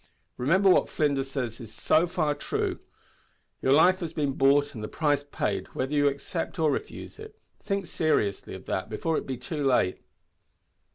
Remember what Flinders says is so far true your life has been bought and the price paid, whether you accept or refuse it. Think seriously of that before it be too late."